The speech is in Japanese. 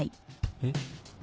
えっ？